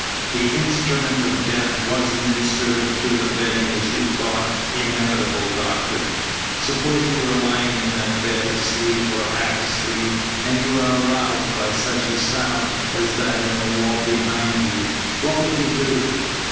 The instrument of death wasn't inserted through the bedding as you thought inevitable, Doctor. Suppose you were lying in that bed, asleep, or half asleep, and you were aroused by such a sound as that in the wall behind you? What would you do?